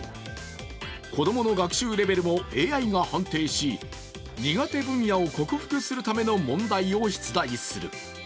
子供の学習レベルもＡＩが判定し苦手分野を克服するための問題を出題する。